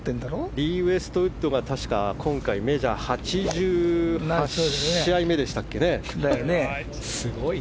リー・ウエストウッドが今回、メジャー８８試合目でしたかね。